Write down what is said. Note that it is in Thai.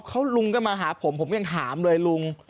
เขาลุงก็มาหาผมผมยังถามเลยลุง